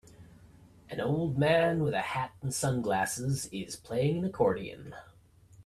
An old man with a hat and sunglasses is playing an accordion.